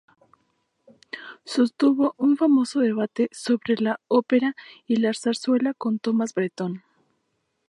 Sostuvo un famoso debate sobre la ópera y la zarzuela con Tomás Bretón.